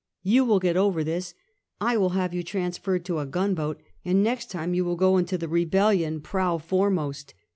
You will get over this! I will have you transferred to a gunboat, and next time you ynll go into the Rebellion prow foremost.